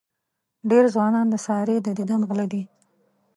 ډېر ځوانان د سارې د دیدن غله دي.